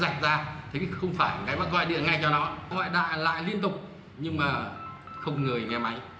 không phải gọi điện ngay cho nó gọi lại liên tục nhưng mà không người nghe máy